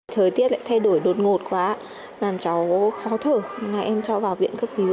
thời tiết lại thay đổi đột ngột quá làm cháu khó thở em cho vào viện cấp cứu